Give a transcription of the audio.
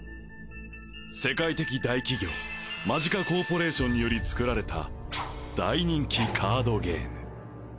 世界的大企業マジカコーポレーションにより作られた大人気カードゲーム